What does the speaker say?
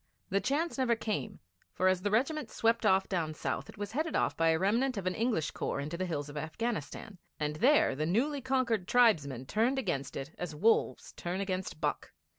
The chance never came, for, as the regiment swept off down south, it was headed up by a remnant of an English corps into the hills of Afghanistan, and there the newly conquered tribesmen turned against it as wolves turn against buck.